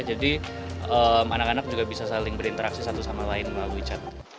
jadi anak anak juga bisa saling berinteraksi satu sama lain melalui chat